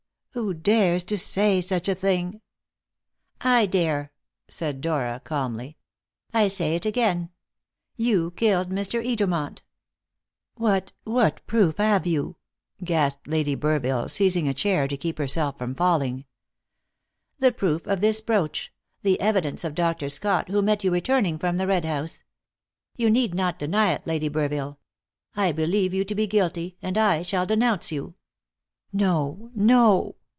Who dares to say such a thing?" "I dare," said Dora calmly. "I say it again. You killed Mr. Edermont." "What what proof have you?" gasped Lady Burville, seizing a chair to keep herself from falling. "The proof of this brooch; the evidence of Dr. Scott, who met you returning from the Red House. You need not deny it, Lady Burville. I believe you to be guilty, and I shall denounce you." "No, no!